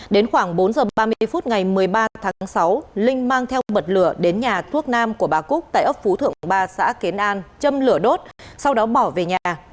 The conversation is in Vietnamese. đến khoảng bốn giờ ba mươi phút ngày một mươi ba tháng sáu linh mang theo mật lửa đến nhà thuốc nam của bà cúc tại ấp phú thượng ba xã kiến an châm lửa đốt sau đó bỏ về nhà